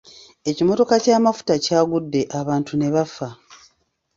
Ekimotoka ky'amafuta kyagudde abantu ne bafa.